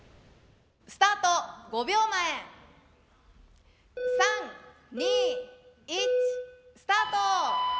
スタート５秒前３２１スタート！